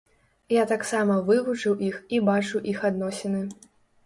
Я таксама вывучыў іх і бачу іх адносіны.